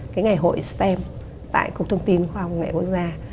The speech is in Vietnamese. cái ngày hội stem tại cục thông tin khoa học và công nghệ quốc gia